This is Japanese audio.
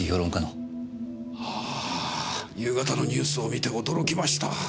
ああ夕方のニュースを見て驚きました。